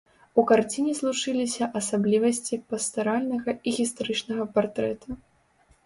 У карціне злучыліся асаблівасці пастаральнага і гістарычнага партрэта.